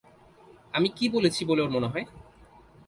আমি কী বলেছি বলে ওর মনে হয়?